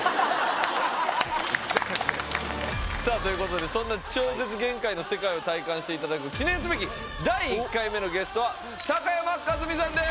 さあということでそんな超絶限界の世界を体感していただく記念すべき第１回目のゲストは高山一実さんです！